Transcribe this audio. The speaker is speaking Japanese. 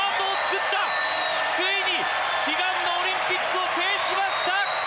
ついに悲願のオリンピックを制しました！